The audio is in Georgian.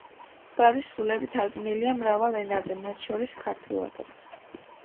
მკვდარი სულები თარგმნილია მრავალ ენაზე, მათ შორის ქართულადაც.